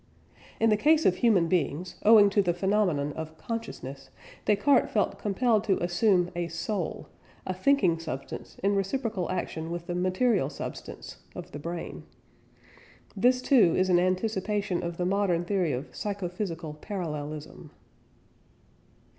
In the case of human beings, owing to the phenomenon of "consciousness," Descartes felt compelled to assume a "soul" a thinking substance in reciprocal action with the material substance (of the brain). This, too, is an anticipation of the modern theory of "psycho physical parallelism."